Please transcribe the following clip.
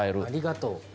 ありがとう。